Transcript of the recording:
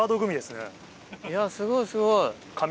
いやすごいすごい。